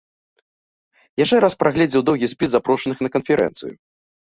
Яшчэ раз прагледзеў доўгі спіс запрошаных на канферэнцыю.